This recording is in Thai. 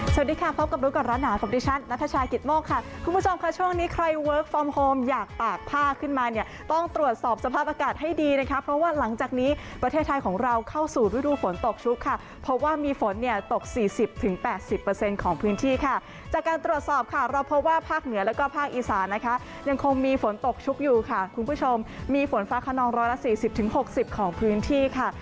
สวัสดีค่ะพบกับลูกก่อนร้านหาของดิฉันนัทชายกิตโมกค่ะคุณผู้ชมค่ะช่วงนี้ใครเวิร์คฟอร์มโฮมอยากตากผ้าขึ้นมาเนี่ยต้องตรวจสอบสภาพอากาศให้ดีนะครับเพราะว่าหลังจากนี้ประเทศไทยของเราเข้าสู่ฤดูฝนตกชุบค่ะเพราะว่ามีฝนเนี่ยตกสี่สิบถึงแปดสิบเปอร์เซ็นต์ของพื้นที่ค่ะ